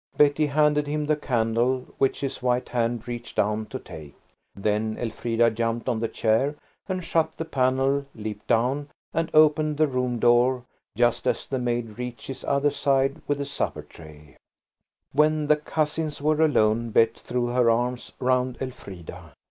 Betty handed him the candle, which his white hand reached down to take. Then Elfrida jumped on the chair and shut the panel, leaped down, and opened the room door just as the maid reached its other side with the supper tray. "BETTY HANDED HIM THE CANDLE." When the cousins were alone Bet threw her arms round Elfrida.